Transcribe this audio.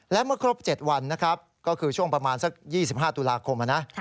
และเมื่อครบ๗วันนะครับก็คือช่วงประมาณสัก๒๕ตุลาคมนะ